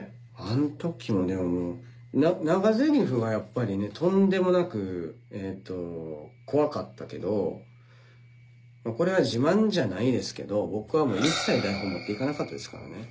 あん時も長ゼリフがやっぱりねとんでもなく怖かったけどこれは自慢じゃないですけど僕はもう一切台本持って行かなかったですからね。